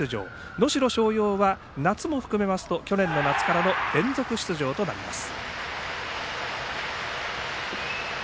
能代松陽は夏も含めますと去年の夏からの連続出場です。